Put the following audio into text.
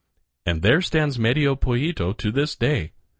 And there stands Medio Pollito to this day.